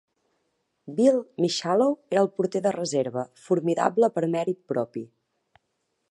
Bill Mishalow era el porter de reserva, formidable per mèrit propi.